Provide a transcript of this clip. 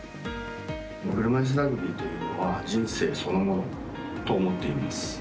車いすラグビーというのは人生そのものと思っています。